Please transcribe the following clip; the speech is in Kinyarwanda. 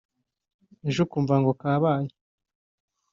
ejo ukumva ngo kabaye